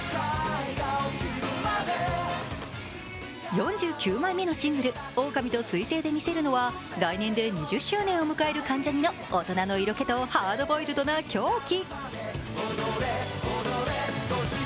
４９枚目のシングル「オオカミと彗星」でみせるのは来年で２０周年を迎える関ジャニの大人の色気とハードボイルドな狂気。